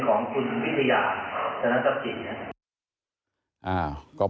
เป็นของคุณวิทยาศาสตร์จับจริงนะครับ